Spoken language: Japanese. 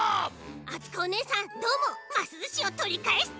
あつこおねえさんどーもますずしをとりかえすち！